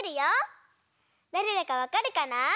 だれだかわかるかな？